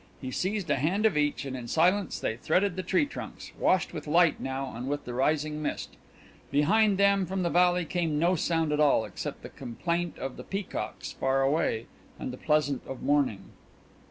He seized a hand of each, and in silence they threaded the tree trunks, washed with light now and with the rising mist. Behind them from the valley came no sound at all, except the complaint of the peacocks far away and the pleasant undertone of morning.